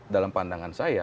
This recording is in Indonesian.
dalam pandangan saya